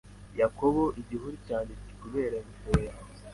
Yakobo igihuru cyanjye kubera ingofero yawe